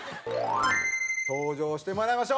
登場してもらいましょう。